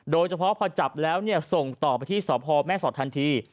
โดยเฉพาะพอจับแล้วส่งต่อไปที่สพแม่สอดทันที